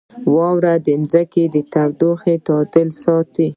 • واوره د ځمکې د تودوخې تعادل ساتي.